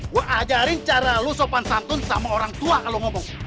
gue ajarin cara lo sopan santun sama orang tua kalau ngomong